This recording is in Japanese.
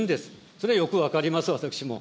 それはよく分かります、私も。